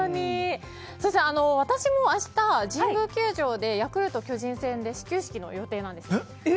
そして私も明日、神宮球場でヤクルト巨人戦で始球式の予定なんですよ。